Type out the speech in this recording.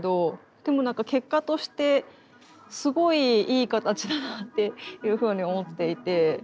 でもなんか結果としてすごいいい形だなっていうふうに思っていて。